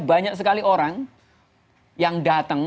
banyak sekali orang yang datang